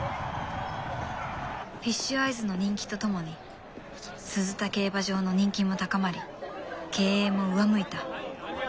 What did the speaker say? フィッシュアイズの人気と共に鈴田競馬場の人気も高まり経営も上向いた。